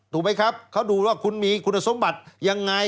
ถูกไหมครับเขาดูว่าคุณมีคุณสมบัติยังไง